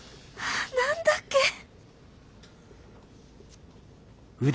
何だっけ。